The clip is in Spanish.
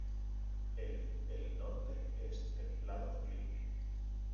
El el norte es templado-frío.